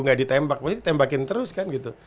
gak ditembak pasti ditembakin terus kan gitu